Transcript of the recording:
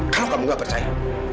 kalau kamu gak percaya